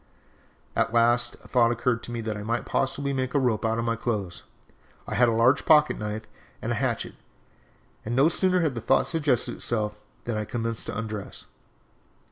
"At last a thought occurred to me that I might possibly make a rope out of my clothes. I had a large pocket knife and a hatchet, and no sooner had the thought suggested itself than I commenced to undress.